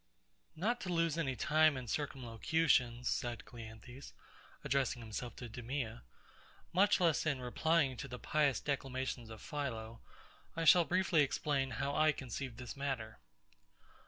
Not to lose any time in circumlocutions, said CLEANTHES, addressing himself to DEMEA, much less in replying to the pious declamations of PHILO; I shall briefly explain how I conceive this matter.